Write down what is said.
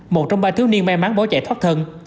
một trong ba thiếu niên may mắn bỏ chạy thoát thân